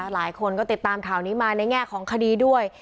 หลายคนก็ติดตามข่าวนี้มาในแง่ของคดีด้วย